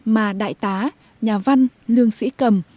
mà đại tá nhà văn lương sĩ cầm